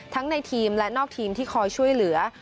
ในทีมและนอกทีมที่คอยช่วยเหลือ